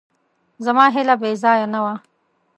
زما هیله بېځایه نه وه.